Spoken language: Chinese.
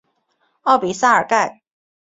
奥比萨尔盖。